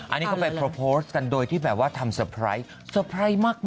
อันนี้เขาไปโปรโปรสกันโดยที่แบบว่าทำสเปรย์สเปรย์มากเลย